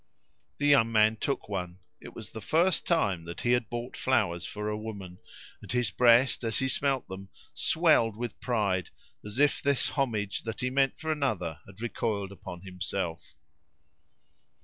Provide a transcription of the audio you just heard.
The young man took one. It was the first time that he had bought flowers for a woman, and his breast, as he smelt them, swelled with pride, as if this homage that he meant for another had recoiled upon himself.